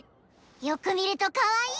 よく見るとかわいい！